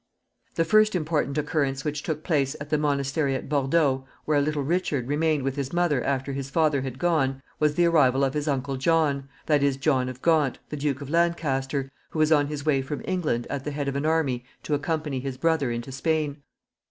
The first important occurrence which took place at the monastery at Bordeaux, where little Richard remained with his mother after his father had gone, was the arrival of his uncle John, that is, John of Gaunt, the Duke of Lancaster, who was on his way from England at the head of an army to accompany his brother into Spain.